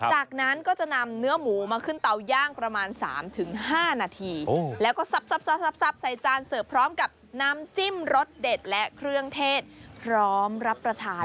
จากนั้นก็จะนำเนื้อหมูมาขึ้นเตาย่างประมาณ๓๕นาทีแล้วก็ซับใส่จานเสิร์ฟพร้อมกับน้ำจิ้มรสเด็ดและเครื่องเทศพร้อมรับประทาน